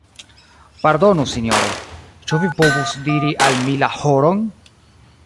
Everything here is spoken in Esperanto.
Pardonu Sinjoro, ĉu vi povus diri al mi la horon?